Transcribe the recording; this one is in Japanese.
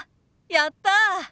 やった。